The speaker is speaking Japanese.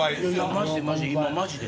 マジでマジで！